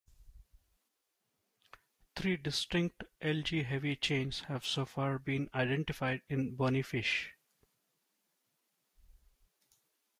Three distinct Ig heavy chains have so far been identified in bony fish.